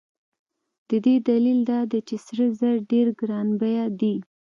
د دې دلیل دا دی چې سره زر ډېر ګران بیه دي.